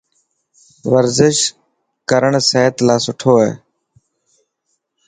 ورزش ڪرن سحت لاءِ سٺو هي.